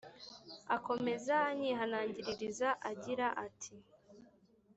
akomeza anyihanangiriza agira ati